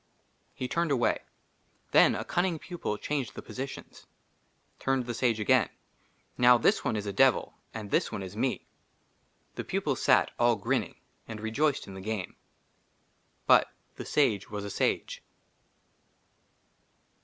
HE TURNED AWAY. THEN A CUNNING PUPIL CHANGED THE POSITIONS. TURNED THE SAGE AGAIN :*' NOW THIS ONE IS A DEVIL, *''AND THIS ONE IS ME." THE PUPILS SAT, ALL GRINNING, AND REJOICED IN THE GAME. BUT THE SAGE WAS A SAGE.